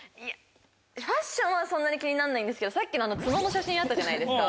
ファッションはそんなに気にならないんですけどさっきのツノの写真あったじゃないですか。